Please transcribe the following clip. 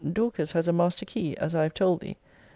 Dorcas has a master key, as I have told thee.